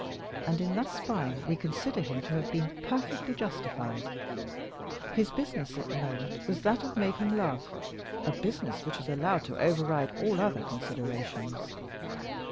And in thus spying we consider him to have been perfectly justified. His business at the moment was that of making love, a business which is allowed to override all other considerations.